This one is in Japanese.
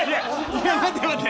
いや待て待て！